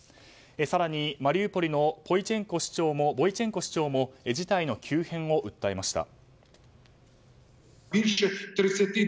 更に、マリウポリのボイチェンコ市長も事態の急変を訴えました。